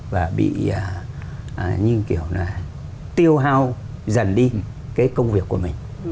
và bị như kiểu là tiêu hao dần đi cái công việc của mình